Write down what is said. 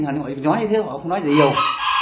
họ nói như thế họ không nói gì nhiều